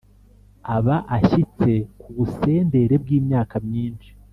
aba ashyitse ku busendere bw’imyaka myinshi.